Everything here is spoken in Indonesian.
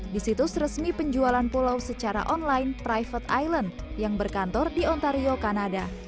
di situs resmi penjualan pulau secara online private island yang berkantor di ontario kanada